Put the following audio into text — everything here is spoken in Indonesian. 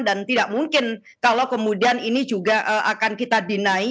dan tidak mungkin kalau kemudian ini juga akan kita deny